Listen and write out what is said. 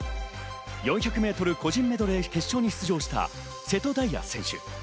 ４００ｍ個人メドレー決勝に出場した瀬戸大也選手。